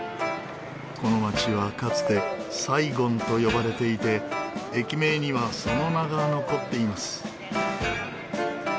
この街はかつてサイゴンと呼ばれていて駅名にはその名が残っています。